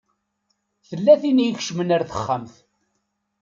Tella tin i ikecmen ar texxamt.